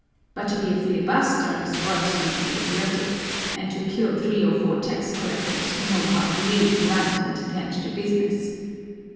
But to be a filibuster is worse than to be a heretic and to kill three or four tax collectors who know how to read, write, and attend to business.